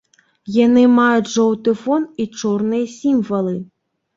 Яны маюць жоўты фон і чорныя сімвалы.